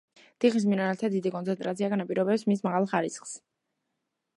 თიხის მინერალთა დიდი კონცენტრაცია განაპირობებს მის მაღალ ხარისხს.